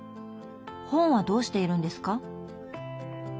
本はどうしているんですか？